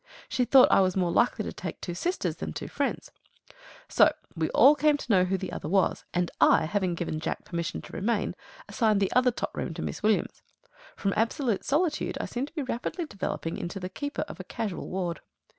She thought I was more likely to take two sisters than two friends. So we all came to know who the other was; and I, having given Jack permission to remain, assigned the other top room to Miss Williams. From absolute solitude I seemed to be rapidly developing into the keeper of a casual ward.